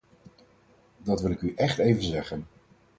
Dat wil ik u echt even zeggen.